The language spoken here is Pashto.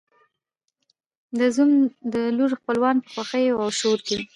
د زوم د لوري خپلوان په خوښیو او شور کې